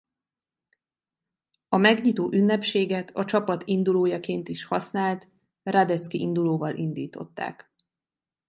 A megnyitó ünnepséget a csapat indulójaként is használt Radetzky-indulóval indították.